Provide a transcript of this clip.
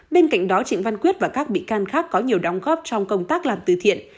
bên cạnh đó trịnh văn quyết và các bị can khác có nhiều đóng góp trong công tác làm từ thiện